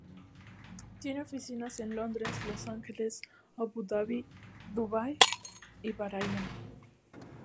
Tiene oficinas en Londres, Los Ángeles, Abu Dhabi, Dubái y Bahrain.